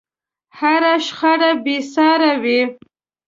هره شخړه بې سارې وي.